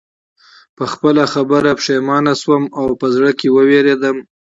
په خپله خبره پښېمانه شوم او په زړه کې ووېرېدم